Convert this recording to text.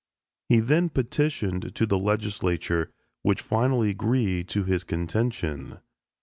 He then petitioned to the legislature which finally agreed to his contention.